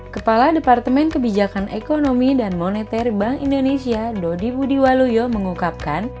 kepala departemen kebijakan ekonomi dan moneter bank indonesia dodi budiwaluyo mengukapkan